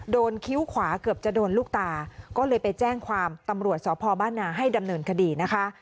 คิ้วขวาเกือบจะโดนลูกตาก็เลยไปแจ้งความตำรวจสพบ้านนาให้ดำเนินคดีนะคะ